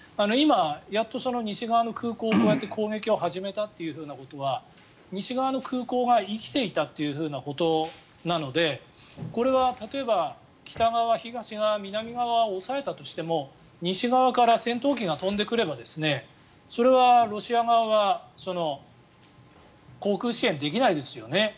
今、やっと西側の空港をこうやって攻撃を始めたということは西側の空港が生きていたということなのでこれは例えば、北側、東側、南側を押さえたとしても西側から戦闘機が飛んでくればそれはロシア側は航空支援できないですよね。